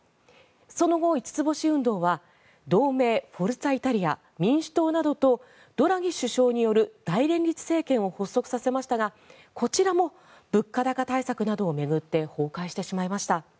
その後、五つ星運動は同盟、フォルツァ・イタリア民主党などとドラギ首相による大連立政権を発足させましたがこちらも物価高対策などを巡って崩壊してしまいました。